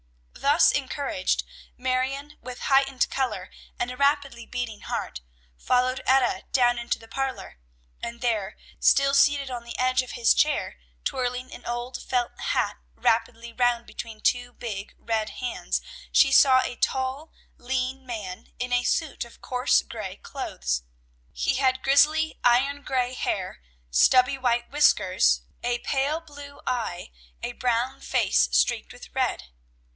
Thus encouraged, Marion, with heightened color and a rapidly beating heart, followed Etta down into the parlor, and there, still seated on the edge of his chair, twirling an old felt hat rapidly round between two big, red hands, she saw a tall, lean man in a suit of coarse gray clothes. He had grizzly, iron gray hair, stubby white whiskers, a pale blue eye, a brown face streaked with red.